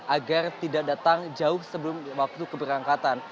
agar tidak datang jauh sebelum waktu keberangkatan